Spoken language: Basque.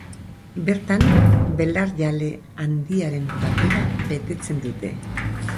Bertan belarjale handiaren papera betetzen dute.